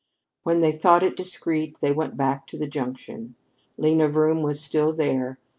When they thought it discreet, they went back to the junction. Lena Vroom was still there.